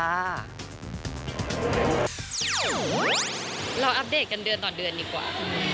เราอัปเดตกันเดือนต่อเดือนดีกว่า